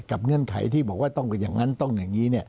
เงื่อนไขที่บอกว่าต้องอย่างนั้นต้องอย่างนี้